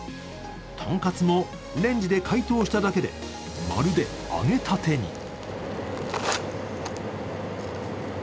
豚カツもレンジで解凍しただけでまるで揚げたてに。